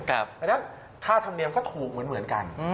เพราะฉะนั้นค่าธรรมเนียมก็ถูกเหมือนกัน